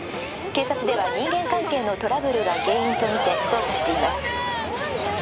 「警察では人間関係のトラブルが原因とみて捜査しています」